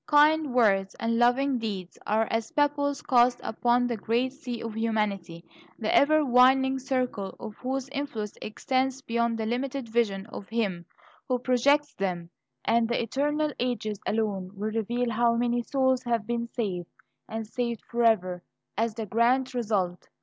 Kind words and loving deeds are as pebbles cast upon the great sea of humanity, the ever widening circle of whose influence extends beyond the limited vision of him who projects them; and the eternal ages alone will reveal how many souls have been saved, and saved forever, as the grand result.